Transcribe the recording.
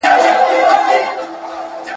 پرېږده چي لمبې پر نزله بلي کړي ..